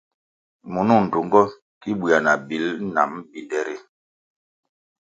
Munung ndtungo ki buéah na bil nam binde ri.